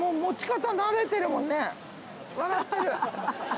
笑ってる。